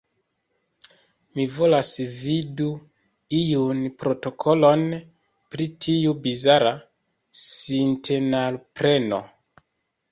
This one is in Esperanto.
Mi volonte vidus iun protokolon pri tiu bizara sintenalpreno.